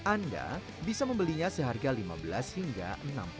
anda bisa membelinya seharga rp lima belas rp enam belas